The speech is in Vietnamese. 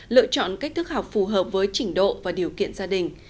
lựa chọn cách thức học phù hợp với trình độ và điều kiện gia đình